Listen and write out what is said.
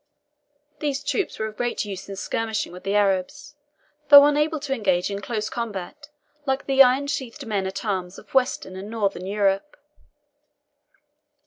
These troops were of great use in skirmishing with the Arabs, though unable to engage in close combat, like the iron sheathed men at arms of Western and Northern Europe.